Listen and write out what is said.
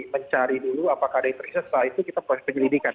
mencari dulu apakah ada yang teriksa setelah itu kita proses penyelidikan